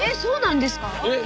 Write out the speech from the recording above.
えっ！？